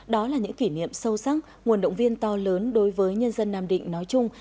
đó là những kỷ niệm sâu sắc nguồn động viên to lớn đối với nhân dân nam định nói chung